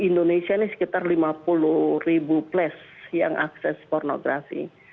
indonesia ini sekitar lima puluh ribu plus yang akses pornografi